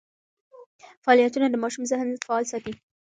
فعالیتونه د ماشوم ذهن فعال ساتي.